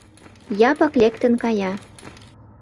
Япык лектын кая.